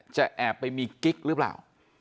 แอบไปมีกิ๊กหรือเปล่า